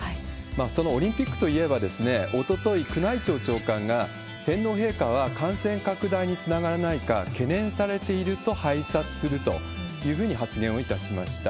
そのオリンピックといえば、おととい宮内庁長官が、天皇陛下が感染拡大につながらないか懸念されていると拝察するというふうに発言をいたしました。